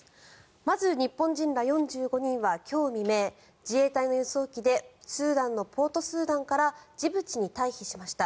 まず日本人ら４５人は今日未明自衛隊の輸送機でスーダンのポートスーダンからジブチに退避しました。